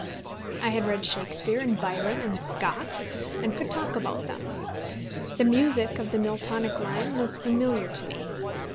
I had read Shakespeare and Byron and Scott, and could talk about them. The music of the Miltonic line was familiar to me.